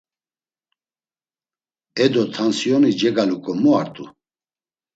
Edo tansiyoni cegaluǩo mu art̆u?